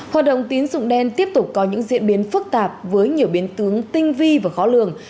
hoạt động tín dụng đen tiếp tục có những diễn biến phức tạp với nhiều biến tướng tinh vi và khó lường